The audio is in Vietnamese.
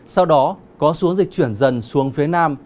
sau đó có xuống dịch chuyển dần xuống phía nam